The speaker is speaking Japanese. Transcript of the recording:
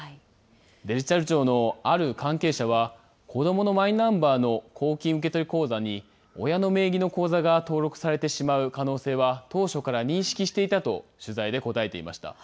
デジタル庁のある関係者は、子どものマイナンバーの公金受取口座に親の名義の口座が登録されてしまう可能性は当初から認識していたと取材で答えていました。